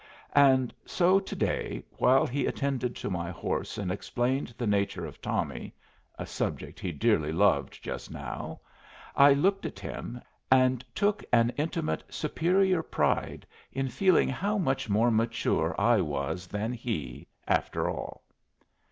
And so to day, while he attended to my horse and explained the nature of Tommy (a subject he dearly loved just now), I looked at him and took an intimate, superior pride in feeling how much more mature I was than he, after all.